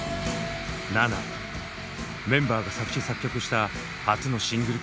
メンバーが作詞作曲した初のシングル曲です。